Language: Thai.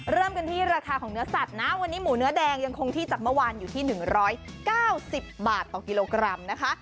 เริ่มกันที่ราคาของเนื้อสัตว์นะวันนี้หมูเนื้อแดงยังคงที่จากเมื่อวานอยู่ที่๑๙๐บาทต่อกิโลกรัมนะคะ